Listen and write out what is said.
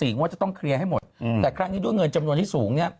ว่าจะต้องเคลียร์ให้หมดแต่ครั้งนี้ด้วยเงินจำนวนที่สูงเนี่ย